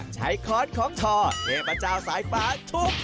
ใช้คอร์ดของทอเทพเจ้าสายป่าทุบ